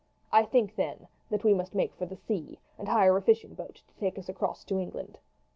I think, then, that we must make for the sea and hire a fishing boat to take us across to England.